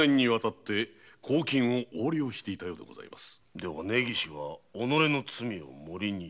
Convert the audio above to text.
では根岸は己の罪を森に。